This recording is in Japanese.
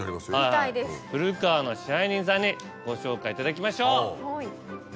ふる川の支配人さんにご紹介いただきましょう。